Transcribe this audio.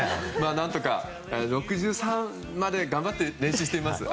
何とか、６３まで頑張って練習してみます。